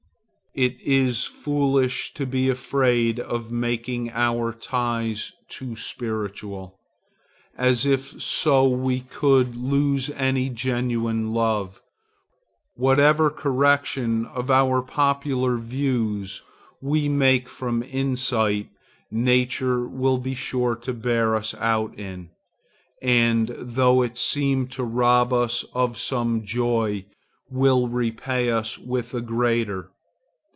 It is foolish to be afraid of making our ties too spiritual, as if so we could lose any genuine love. Whatever correction of our popular views we make from insight, nature will be sure to bear us out in, and though it seem to rob us of some joy, will repay us with a greater.